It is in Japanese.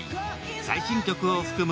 最新曲を含む